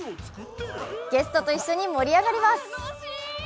ゲストと一緒に盛り上がります。